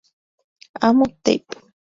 Amo, tape.